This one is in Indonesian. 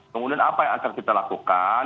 kemudian apa yang akan kita lakukan